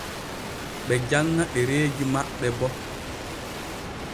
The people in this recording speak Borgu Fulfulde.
Ɓe janŋa ɗereeji maɓɓe bo.